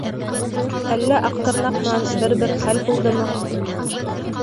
Әллә Аҡтырнаҡ менән бер-бер хәл булдымы?